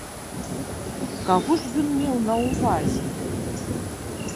Каго ж ён меў на ўвазе?